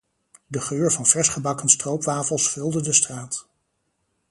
De geur van versgebakken stroopwafels vulde de straat.